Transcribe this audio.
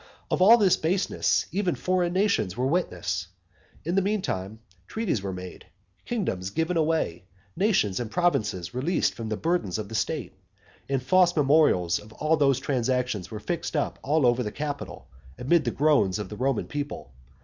Of all this baseness even foreign nations were witnesses. In the meantime treaties were made; kingdoms given away; nations and provinces released from the burdens of the state; and false memorials of all these transactions were fixed up all over the Capitol, amid the groans of the Roman people.